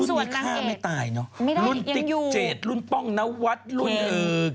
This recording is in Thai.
รุ่นนี้ฆ่าไม่ตายเนอะรุ่นติ๊ก๗รุ่นป้องนาวัดรุ่นเอิก